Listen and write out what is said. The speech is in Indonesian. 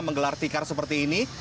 menggelar tikar seperti ini